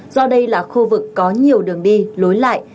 do đây là khu vực có nhiều đường đi lối lại